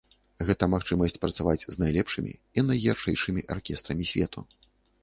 Гэта магчымасць працаваць з найлепшымі і найярчэйшымі аркестрамі свету.